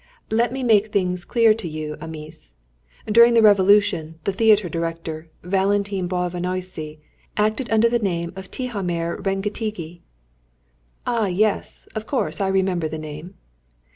"Let me make things clear to you, amice! During the Revolution, the theatre director, Valentine Bálványossi, acted under the name of Tihamér Rengetegi." "Ah! yes, of course, I remember the name."